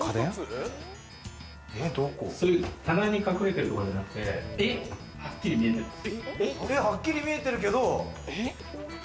棚に隠れてるとかじゃなくて、はっきり見えてます。